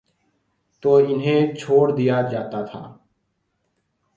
تو انہیں چھوڑ دیا جاتا تھا۔